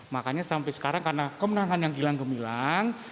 makanya sampai sekarang karena kemenangan yang hilang gemilang